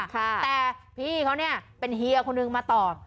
แต่พี่เขาเป็นเฮียคนหนึ่งมาตอบ